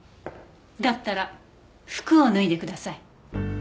だったら服を脱いでください。